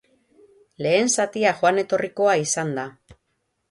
Lehen zatia joan etorrikoa izan da.